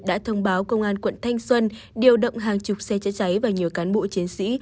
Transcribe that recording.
đã thông báo công an quận thanh xuân điều động hàng chục xe chữa cháy và nhiều cán bộ chiến sĩ